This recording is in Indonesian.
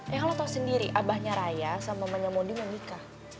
ya kalau lo tau sendiri abahnya raya sama mamanya mondi mau nikah